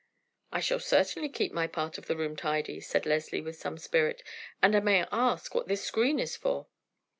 "I shall certainly keep my part of the room tidy," said Leslie with some spirit. "And may I ask what this screen is for?"